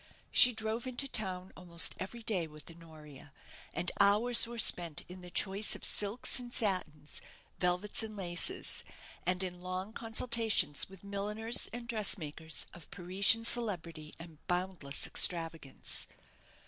She drove into town almost every day with Honoria, and hours were spent in the choice of silks and satins, velvets and laces, and in long consultations with milliners and dressmakers of Parisian celebrity and boundless extravagance.